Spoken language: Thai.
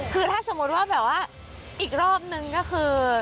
คือถ้าสมมุติว่าแบบว่าอีกรอบนึงก็คือ